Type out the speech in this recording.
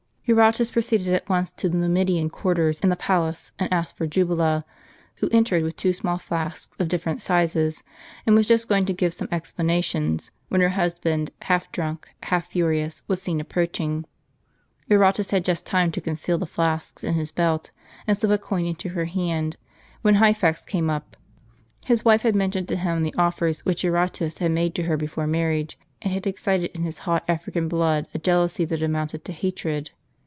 Eurotas fjroceeded at once to the JSTumidian quarters in the palace, and asked for Jubala ; who entered with two small flasks of different sizes, and was just going to give some explanations, when her husband, half drunk, half furious, was seen approaching. Eurotas had just time to conceal the flasks in his belt, and slii) a coin into her hand, when Hyphax came up. His wife had mentioned to him the offers which Eurotas had made to her before marriage, and had excited in his hot African blood a jealousy that amounted to hatred.